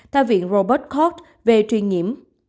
theo viện robot court về truyền nhiễm